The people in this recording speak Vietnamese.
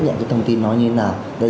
phối hợp công an phường công an quận